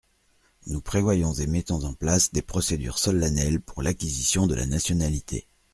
Nous prévoyons et mettons en place des procédures solennelles pour l’acquisition de la nationalité.